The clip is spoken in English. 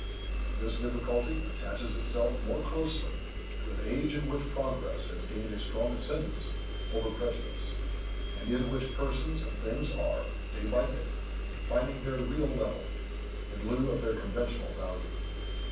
And this difficulty attaches itself more closely to an age in which progress has gained a strong ascendency over prejudice, and in which persons and things are, day by day, finding their real level, in lieu of their conventional value.